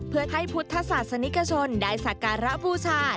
เพื่อให้พุทธศาสนิกชนได้สักการะบูชา